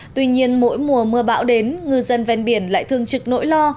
tuy nhiên mỗi mùa mưa bão đến ngư dân ven biển lại thường trực nỗi lo